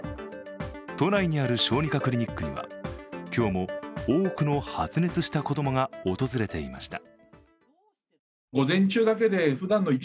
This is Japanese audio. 都内にある小児科クリニックには今日も多くの発熱した子供が訪れていました。